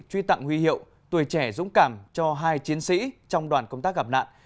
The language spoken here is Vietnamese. truy tặng huy hiệu tuổi trẻ dũng cảm cho hai chiến sĩ trong đoàn công tác gặp nạn